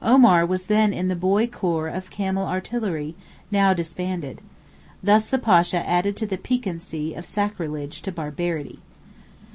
Omar was then in the boy corps of camel artillery, now disbanded. Thus the Pasha added the piquancy of sacrilege to barbarity.